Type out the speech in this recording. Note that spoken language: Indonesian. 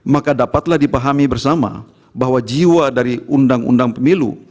maka dapatlah dipahami bersama bahwa jiwa dari undang undang pemilu